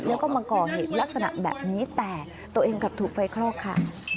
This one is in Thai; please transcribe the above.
แล้วก็มาก่อเหตุลักษณะแบบนี้แต่ตัวเองกลับถูกไฟคลอกค่ะ